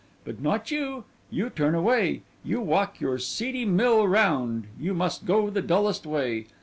But not you: you turn away, you walk your seedy mill round, you must go the dullest way.